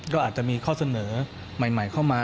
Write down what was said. ก็อาจจะมีข้อเสนอใหม่เข้ามา